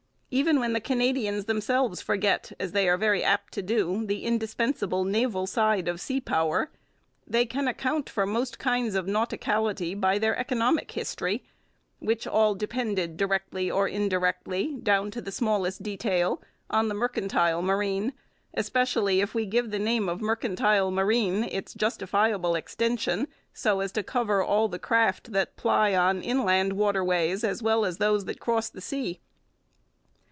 Even when the Canadians themselves forget, as they are very apt to do, the indispensable naval side of sea power, they can account for most kinds of nauticality by their economic history, which all depended, directly or indirectly, down to the smallest detail, on the mercantile marine especially if we give the name of mercantile marine its justifiable extension so as to cover all the craft that ply on inland waterways as well as those that cross the sea.